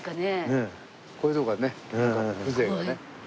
こういうとこがね風情がね。